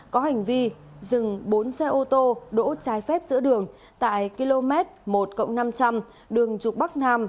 có hành vi dừng bốn xe ô tô đỗ trái phép giữa đường tại km một năm trăm linh đường trục bắc nam